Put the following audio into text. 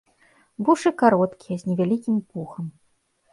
Вушы кароткія, з невялікім пухам.